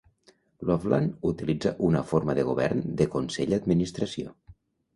Loveland utilitza una forma de govern de consell-administració.